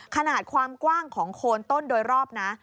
ขนาดความกว้างของโคนต้นโดยรอบนะ